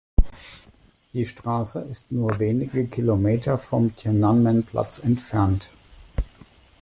Die Straße ist nur wenige Kilometer vom Tian’anmen-Platz entfernt.